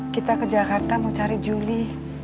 kita ke jakarta mau cari juli